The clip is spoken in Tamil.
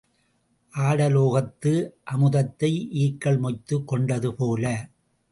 ஆட லோகத்து அமுதத்தை ஈக்கள் மொய்த்துக் கொண்டது போல.